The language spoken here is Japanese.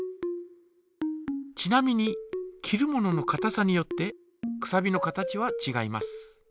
ちなみに切るもののかたさによってくさびの形はちがいます。